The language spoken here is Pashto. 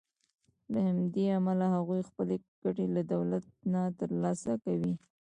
له همدې امله هغوی خپلې ګټې له دولت نه تر لاسه کوي.